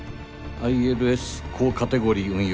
ＩＬＳ高カテゴリー運用。